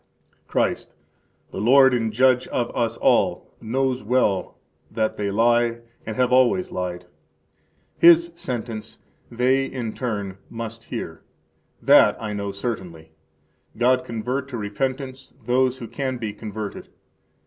Christ, the Lord and Judge of us all, knows well that they lie and have [always] lied, His sentence they in turn, must hear; that I know certainly. God convert to repentance those who can be converted!